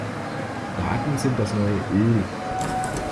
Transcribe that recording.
Daten sind das neue Öl.